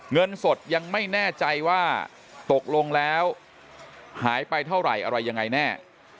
เงินสดยังไม่แน่ใจว่าตกลงแล้วหายไปเท่าไหร่อะไรยังไงแน่